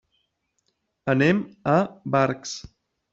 Anem a Barx.